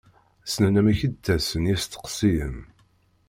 Ssnen amek i d-ttasen yisteqsiyen.